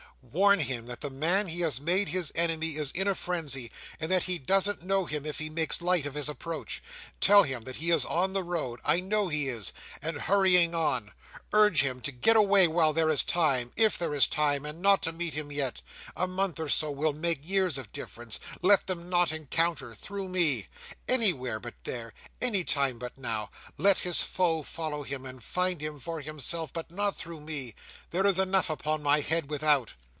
"Warn him that the man he has made his enemy is in a frenzy, and that he doesn't know him if he makes light of his approach. Tell him that he is on the road—I know he is!—and hurrying on. Urge him to get away while there is time—if there is time—and not to meet him yet. A month or so will make years of difference. Let them not encounter, through me. Anywhere but there! Any time but now! Let his foe follow him, and find him for himself, but not through me! There is enough upon my head without."